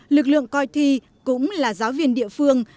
lực lượng coi thi cũng là giáo viên địa phương